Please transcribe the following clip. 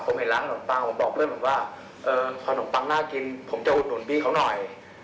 ผมเห็นร้านขนมปังผมบอกเพื่อนผมว่าขนมปังน่ากินผมจะอุดหนุนพี่เขาหน่อย